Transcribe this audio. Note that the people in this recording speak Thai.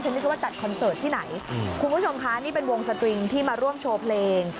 นึกว่าจัดคอนเสิร์ตที่ไหนคุณผู้ชมคะนี่เป็นวงสตริงที่มาร่วมโชว์เพลง